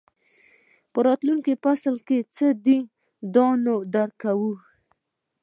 په راتلونکي فصل کې څه دي دا نه درک کوئ.